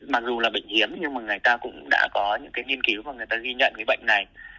mặc dù là bệnh hiếm nhưng mà người ta cũng đã có những cái nghiên cứu và người ta ghi nhận cái bệnh này